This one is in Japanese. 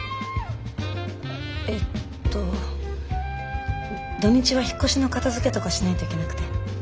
えっと土日は引っ越しの片づけとかしないといけなくて。